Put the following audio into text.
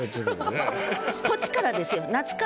こっちからですよ。